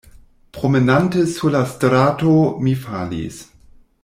Promenante sur la strato, mi falis.